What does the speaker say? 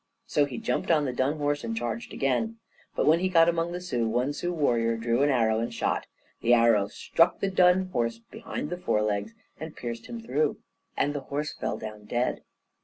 So he jumped on the dun horse, and charged again. But when he got among the Sioux, one Sioux warrior drew an arrow and shot. The arrow struck the dun horse behind the forelegs and pierced him through. And the horse fell down dead.